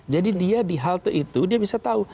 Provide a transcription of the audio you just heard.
jadi dia di halte itu dia bisa tahu